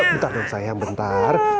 bentar dong sayang bentar